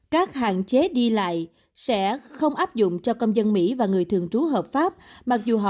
các hạn chế đi lại sẽ không áp dụng cho công dân mỹ và người thường trú hợp pháp mặc dù họ